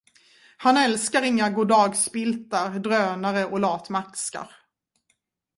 Han älskar inga goddagspiltar, drönare och latmaskar.